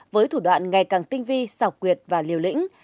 với thủ đoạn ngày càng tinh vi xảo quyệt và liều lĩnh